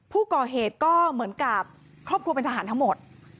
ผู้ก่อเหตุก็เหมือนกับครอบครัวเป็นทหารทั้งหมด